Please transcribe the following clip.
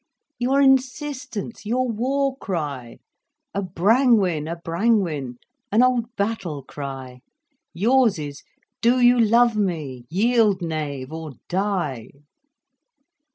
"Your insistence—Your war cry—"A Brangwen, A Brangwen"—an old battle cry. Yours is, 'Do you love me? Yield knave, or die.